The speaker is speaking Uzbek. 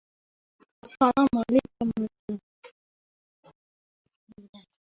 Yangi tizim: hokimlar endi uy buzish uchun hukumatdan ruxsat oladi